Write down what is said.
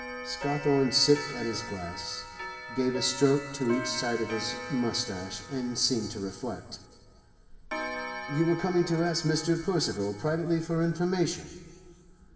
Scawthorne sipped at his glass, gave a stroke to each side of his moustache, and seemed to reflect. 'You were coming to ask Mr. Percival privately for information?